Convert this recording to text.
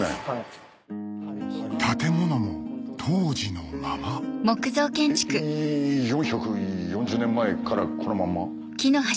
建物も当時のまま４４０年前からこのまんま？